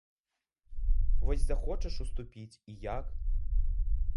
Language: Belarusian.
Вось захочаш уступіць і як?